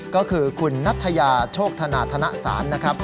ก็คือคุณนัทยาโชคธนาธนสารนะครับ